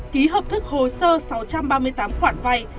ký hợp thức hồ sơ sáu trăm ba mươi tám khoản vay